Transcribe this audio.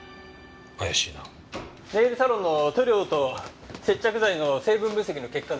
ネイルサロンの塗料と接着剤の成分分析の結果です。